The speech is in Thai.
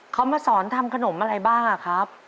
เขามาสอนทำขนมอะไรบ้างครับ